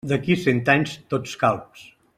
D'aquí a cent anys tots calbs.